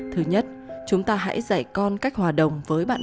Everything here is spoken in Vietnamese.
thứ nhất chúng ta hãy dạy con cách hòa đồng